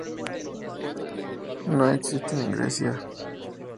No existen en Grecia.